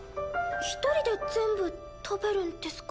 一人で全部食べるんですか？